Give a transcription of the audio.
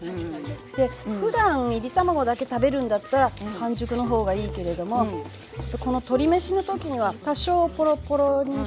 でふだんいり卵だけ食べるんだったら半熟の方がいいけれどもこの鶏めしの時には多少ポロポロにしといて。